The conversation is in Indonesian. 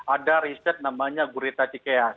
ada riset namanya gurita cikeas